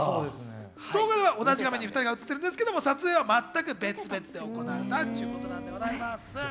動画では同じ画面に２人が映ってるんですが、撮影は全く別々で行われたということです。